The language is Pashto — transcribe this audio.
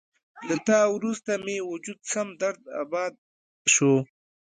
له تا وروسته مې وجود سم درداباد شو